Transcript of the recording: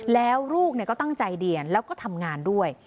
แล้วลูกก็ตั้งใจเรียนแล้วก็ทำงานด้วย